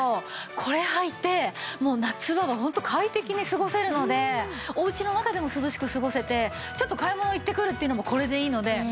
これはいてもう夏場はホント快適に過ごせるのでおうちの中でも涼しく過ごせてちょっと買い物行ってくるっていうのもこれでいいので。